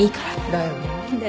だよね。